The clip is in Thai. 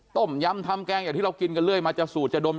ต้มยำทำแกงอย่างที่เรากินกันเรื่อยมาจะสูตรจะดม